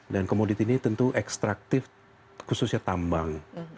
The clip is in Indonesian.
dan komoditi ini tentu ekstraktif khususnya tambang